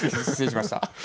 失礼しました。